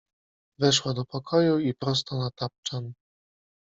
Weszła do pokoju i prosto na tapczan.